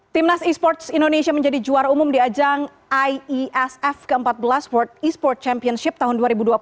timnas e sports indonesia menjadi juara umum di ajang iesf ke empat belas world e sport championship tahun dua ribu dua puluh dua